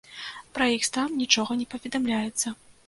Пра іх стан нічога не паведамляецца.